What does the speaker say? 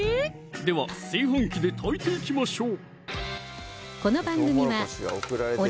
では炊飯器で炊いていきましょう